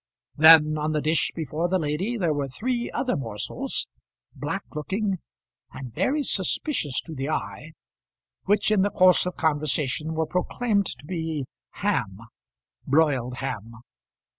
Then, on the dish before the lady, there were three other morsels, black looking and very suspicious to the eye, which in the course of conversation were proclaimed to be ham, broiled ham.